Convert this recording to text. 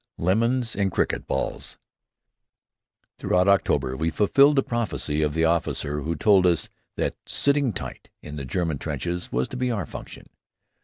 LEMONS AND CRICKET BALLS Throughout October we fulfilled the prophecy of the officer who told us that "sitting tight" in the German trenches was to be our function.